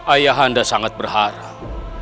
ayah anda sangat berharap